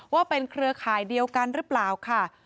ว่าเป็นเครือข่ายเดียวกันหรือเปล่าค่ะ